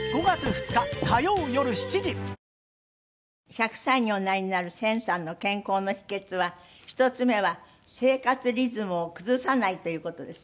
１００歳におなりになる千さんの健康の秘訣は１つ目は生活リズムを崩さないという事です。